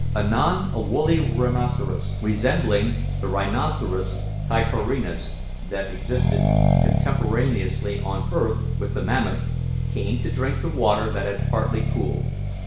Anon a woolly rhinoceros, resembling the Rhinoceros tichorhinus that existed contemporaneously on earth with the mammoth, came to drink the water that had partly cooled.